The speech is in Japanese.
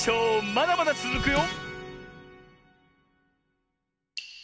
まだまだつづくよ！